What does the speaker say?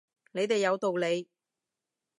你哋有道理